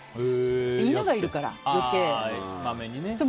犬がいるから、余計。